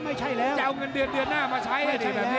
ไม่ใช่แล้วไม่ใช่แล้ว